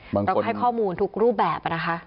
เราก็ให้ข้อมูลทุกรูปแบบนะคะ